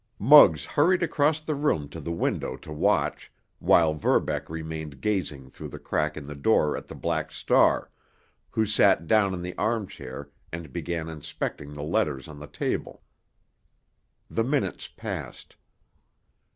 Muggs hurried across the room to the window to watch, while Verbeck remained gazing through the crack in the door at the Black Star, who sat down in the armchair and began inspecting the letters on the table. The minutes passed.